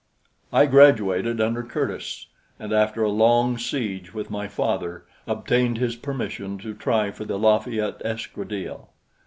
I graduated under Curtiss, and after a long siege with my father obtained his permission to try for the Lafayette Escadrille.